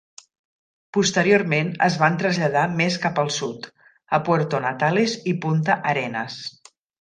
Posteriorment, es van traslladar més cap al sud, a Puerto Natales i Punta Arenas.